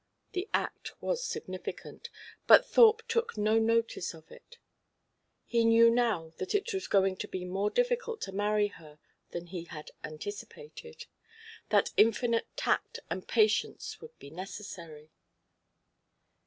The act was significant; but Thorpe took no notice of it. He knew now that it was going to be more difficult to marry her than he had anticipated, that infinite tact and patience would be necessary.